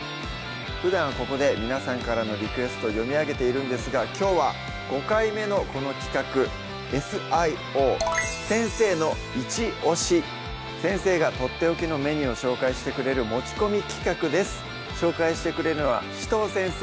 ふだんここで皆さんからのリクエスト読み上げているんですがきょうは５回目のこの企画先生がとっておきのメニューを紹介してくれる持ち込み企画です紹介してくれるのは紫藤先生